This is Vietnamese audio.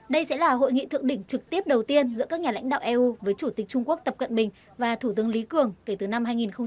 đây sẽ là hội nghị thượng đỉnh trực tiếp đầu tiên giữa các nhà lãnh đạo eu với chủ tịch trung quốc tập cận bình và thủ tướng lý cường kể từ năm hai nghìn một mươi